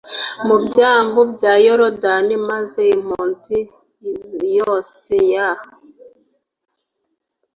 mu byambu bya yorodani maze impunzi yose ya